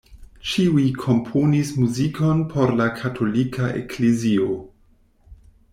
Ĉiuj komponis muzikon por la katolika eklezio.